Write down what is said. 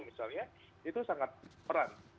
misalnya itu sangat peran